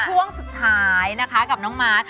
ช่วงสุดท้ายนะคะกับน้องมาร์ท